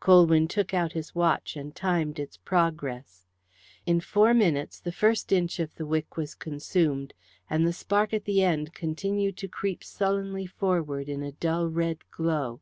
Colwyn took out his watch and timed its progress. In four minutes the first inch of the wick was consumed, and the spark at the end continued to creep sullenly forward in a dull red glow.